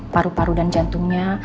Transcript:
paru paru dan jantungnya